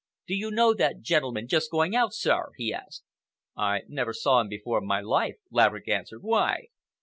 "Do you know that gentleman just going out, sir?" he asked. "I never saw him before in my life," Laverick answered. "Why?"